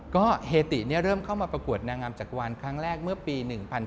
ก็เฮติเริ่มเข้ามาประกวดนางงามจักรวาลครั้งแรกเมื่อปี๑๙